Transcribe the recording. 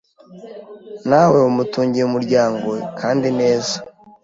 nawe umutungiye umuryango kandi neza